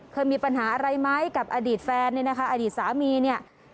เคยมีปัญหาอะไรไหมกับอดีตแฟนเนี่ยนะคะอดีตสามีเนี่ย